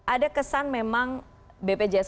ada kesan memang bpjs